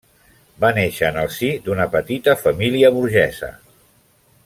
Va néixer en el si d'una petita família burgesa.